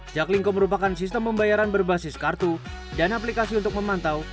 jaklingko merupakan sistem pembayaran berbasis kartu dan aplikasi untuk memantau